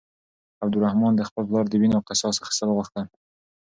عبدالرحمن د خپل پلار د وينو قصاص اخيستل غوښتل.